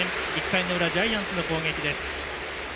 １回の裏ジャイアンツの攻撃。